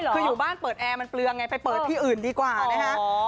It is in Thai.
คืออยู่บ้านเปิดแอร์มันเปลืองไงไปเปิดที่อื่นดีกว่านะฮะ